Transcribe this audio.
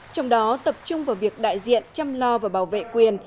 trong đó tập trung vào việc đại diện chăm lo và bảo vệ quyền